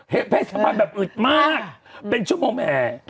เหตุเพศภัณฑ์แบบอึดมากเป็นชั่วโมงแหม่